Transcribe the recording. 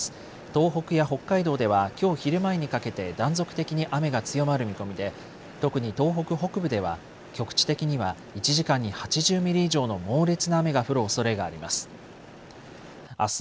東北や北海道ではきょう昼前にかけて断続的に雨が強まる見込みで特に東北北部では局地的には１時間に８０ミリ以上の猛烈な雨が降るおそれがあります。